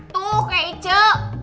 tuh kayak icu